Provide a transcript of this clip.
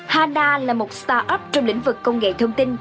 hanna là một start up trong lĩnh vực công nghệ thông tin